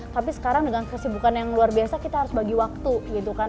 tapi sekarang dengan kesibukan yang luar biasa kita harus bagi waktu gitu kan